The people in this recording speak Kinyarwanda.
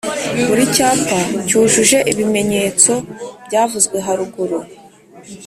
Buri cyapa cyujuje ibimenyetso byavuzwe haruguru